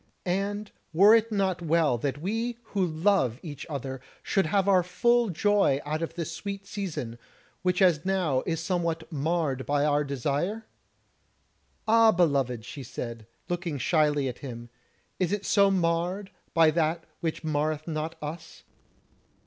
And were it not well that we who love each other should have our full joy out of this sweet season, which as now is somewhat marred by our desire?" "Ah, beloved!" she said, looking shyly at him, "is it so marred by that which marreth not us?"